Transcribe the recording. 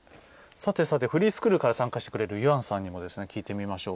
さて、フリースクールから参加しているゆあんさんにも聞いてみましょう。